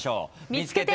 見つけて！